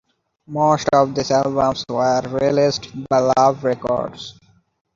Most of these albums were released by Love Records.